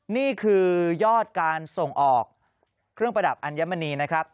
นี่คือยอดการส่งออกเครื่องประดับอัญมณีนะครับ